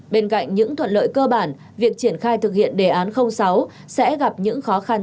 bên cạnh những thuận lợi cơ bản việc triển khai thực hiện đề án sáu sẽ gặp những khó khăn